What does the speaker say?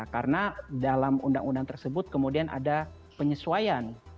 karena dalam undang undang tersebut kemudian ada penyesuaian